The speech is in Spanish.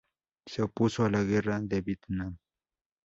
Se opuso a la guerra de Vietnam.